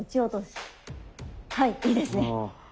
はいいいですね。